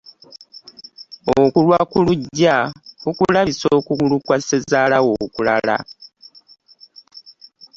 Okulwa ku luggya kukulabisa okugulu kwa ssezaala wo okulala.